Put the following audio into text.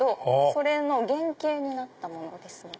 それの原型になったものですね。